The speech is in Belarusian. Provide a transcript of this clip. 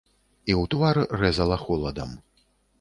І ў твар рэзала холадам.